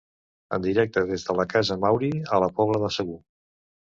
En directe des de la Casa Mauri, a la Pobla de Segur.